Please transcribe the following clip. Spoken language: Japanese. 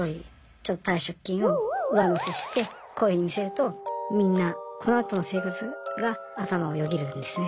ちょっと退職金を上乗せしてこういうふうに見せるとみんなこのあとの生活が頭をよぎるんですね。